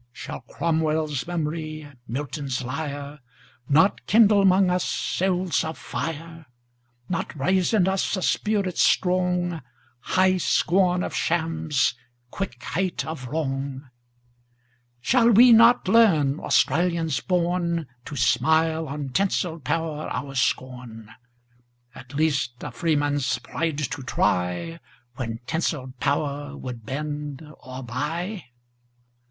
Shall Cromwell's memory, Milton's lyre, Not kindle 'mong us souls of fire, Not raise in us a spirit strong—High scorn of shams, quick hate of wrong? Shall we not learn, Australians born! To smile on tinselled power our scorn,—At least, a freeman's pride to try, When tinselled power would bend or buy?